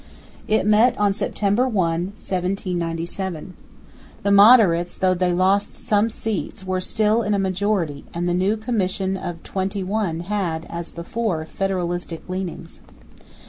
It met on September 1, 1797. The moderates, though they lost some seats, were still in a majority; and the new Commission of Twenty One had, as before, federalistic leanings.